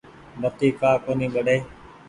بتي ڪآ ڪونيٚ ٻڙي ۔